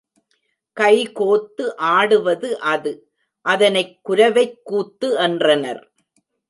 கை கோத்து ஆடுவது அது அதனைக் குரவைக் கூத்து என்றனர்.